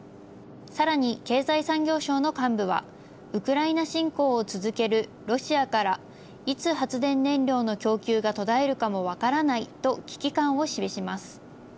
さらに経済産業省の幹部は、ウクライナ侵攻を続けるロシアからいつ発電燃料の供給が途絶えるかわからないと危機感を示します。